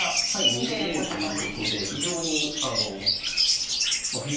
逃げれるということで非常に振り